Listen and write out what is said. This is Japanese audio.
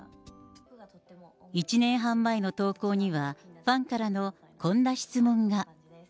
１年半前の投稿には、ファンからのこんな質問が。